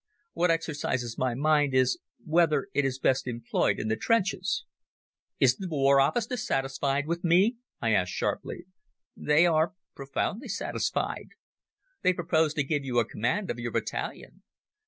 What exercises my mind is whether it is best employed in the trenches." "Is the War Office dissatisfied with me?" I asked sharply. "They are profoundly satisfied. They propose to give you command of your battalion.